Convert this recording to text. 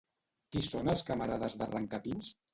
Qui són els camarades d'Arrancapins?